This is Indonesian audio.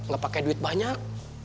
gak pakai duit banyak